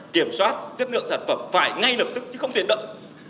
kiểm soát chất lượng sản phẩm phải ngay lập tức chứ không thể đợi